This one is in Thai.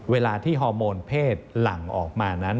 เวลาที่ฮอร์โมนเพศหลั่งออกมานั้น